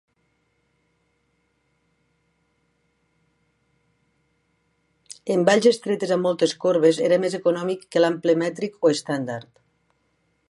En valls estretes amb moltes corbes era més econòmic que l'ample mètric o estàndard.